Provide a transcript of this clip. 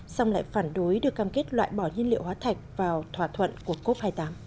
xong lại phản đối được cam kết loại bỏ nhiên liệu hóa thạch vào thỏa thuận của cop hai mươi tám